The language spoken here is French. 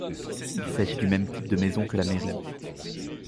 Il s’agit du même type de maison que la mairie.